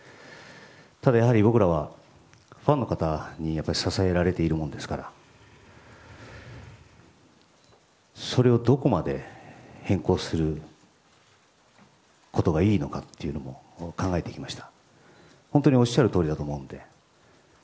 ただやはり僕らはファンの方に支えられているものですからそれをどこまで変更することがいいのかっていうのも考えてきました。